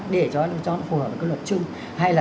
để cho nó phù hợp với cái luật chung hay là